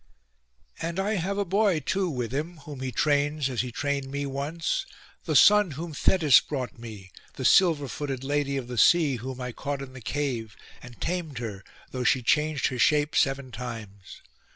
And I have a boy, too, with him, whom he trains as he trained me once—the son whom Thetis brought me, the silver footed lady of the sea, whom I caught in the cave, and tamed her, though she changed her shape seven times.